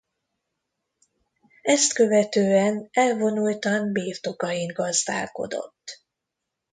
Ezt követően elvonultan birtokain gazdálkodott.